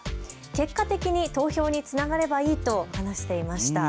結果的に投票につながればいいと話していました。